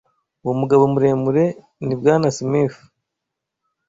Uwo mugabo muremure ni Bwana Smith.